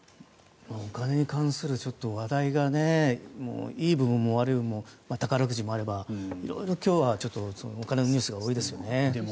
お金に関する話題がいい部分も悪い部分も宝くじもあれば、今日はお金のニュースが多いですね。